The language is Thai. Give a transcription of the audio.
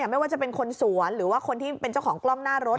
ไม่ว่าจะเป็นคนสวนหรือว่าคนที่เป็นเจ้าของกล้องหน้ารถ